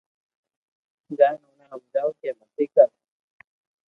جائين اوني ھمجاوُ ڪي متي ڪر